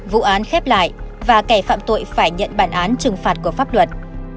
vụ án khép lại và kẻ phạm tội phải nhận bản án trừng phạt của pháp luật